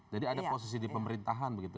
jadi ada posisi di pemerintahan begitu